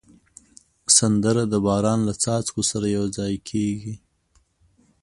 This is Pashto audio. سندره د باران له څاڅکو سره یو ځای کېږي